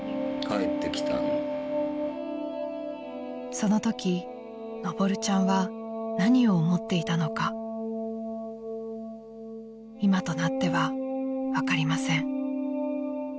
［そのときのぼるちゃんは何を思っていたのか今となっては分かりません］